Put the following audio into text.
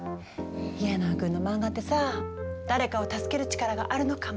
家長君の漫画ってさ誰かを助ける力があるのかも。